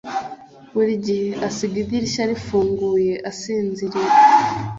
buri gihe asiga idirishya rifunguye asinziriye.